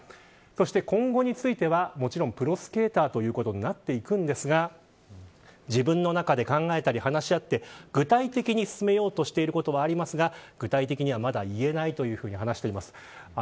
そして今後についてはもちろんプロスケーターということになっていくんですが自分の中で考えたり話し合って具体的に進めようとしていることはありますが具体的にはまだ言えないと話しています。